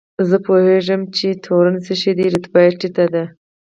زه پوهېږم چې تورن څه شی دی، رتبه یې ټیټه ده.